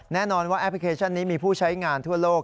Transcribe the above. แน่นอนว่าแอปพลิเคชันนี้มีผู้ใช้งานทั่วโลก